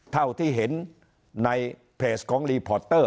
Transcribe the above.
เท่าที่เห็นในเพจของรีพอร์ตเตอร์